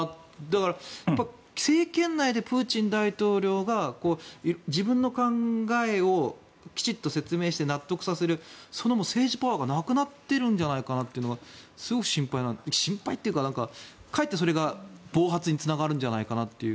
だから、政権内でプーチン大統領が自分の考えをきちんと説明して納得させるその政治パワーがなくなっているんじゃないかとすごく心配心配っていうかかえってそれが暴発につながるんじゃないかと。